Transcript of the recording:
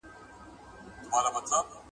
تېر کال يې د ګندهارا تاریخ نومې کتاب چاپ شو